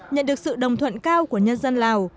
nhận được sự đồng thuận cao của nhân dân lào